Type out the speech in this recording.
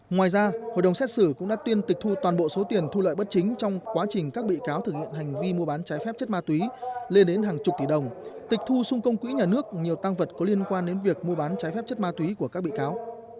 ngoài ra hội đồng xét xử cũng đã tuyên tịch thu toàn bộ số tiền thu lợi bất chính trong quá trình các bị cáo thực hiện hành vi mua bán trái phép chất ma túy lên đến hàng chục tỷ đồng tịch thu xung công quỹ nhà nước nhiều tăng vật có liên quan đến việc mua bán trái phép chất ma túy của các bị cáo